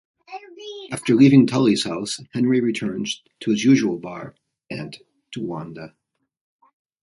After leaving Tully's house, Henry returns to his usual bar and to Wanda.